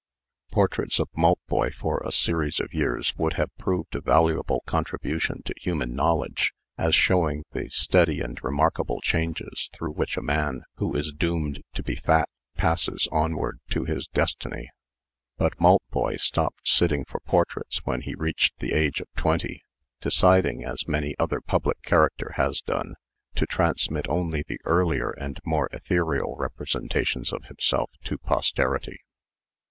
Portraits of Maltboy for a series of years would have proved a valuable contribution to human knowledge, as showing the steady and remarkable changes through which a man who is doomed to be fat passes onward to his destiny. But Maltboy stopped sitting for portraits when he reached the age of twenty, deciding, as many another public character has done, to transmit only the earlier and more ethereal representations of himself to posterity.